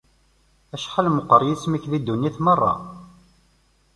Acḥal meqqer yisem-ik di ddunit merra!